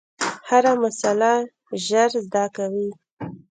هره مسئله ژر زده کوي.